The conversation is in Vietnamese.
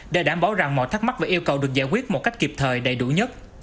để đảm bảo rằng mọi thắc mắc và yêu cầu được giải quyết một cách kịp thời đầy đủ nhất